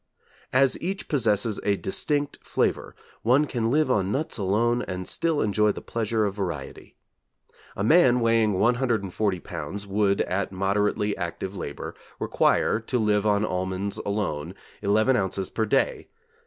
As each possesses a distinct flavour, one can live on nuts alone and still enjoy the pleasure of variety. A man weighing 140 lbs. would, at moderately active labour, require, to live on almonds alone 11 ozs. per day.